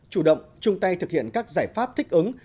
chủ động chung tay thực hiện các giải pháp thích ứng